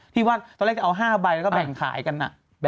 ที่ว่าตอนแรกจะเอา๕ใบแล้วก็แบ่งขายกัน